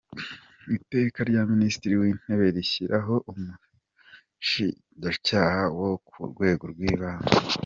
Iteka rya Minisitiri w’Intebe rishyiraho Umushinjacyaha wo ku Rwego rw’Ibanze:.